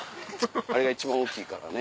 あれが一番大きいからね。